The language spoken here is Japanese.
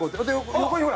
横に、ほら！